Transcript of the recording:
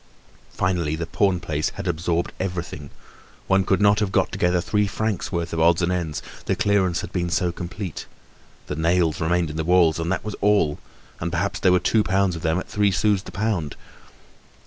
Finally the pawn place had absorbed everything, one could not have got together three francs' worth of odds and ends, the clearance had been so complete; the nails remained in the walls and that was all and perhaps there were two pounds of them at three sous the pound.